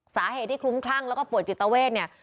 สาเหตุที่คลุ้มคลั่งแล้วก็ป่วยจิตเวทเนี่ย